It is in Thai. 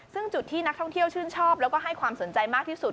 ซึ่งจุดที่นักท่องเที่ยวชื่นชอบแล้วก็ให้ความสนใจมากที่สุด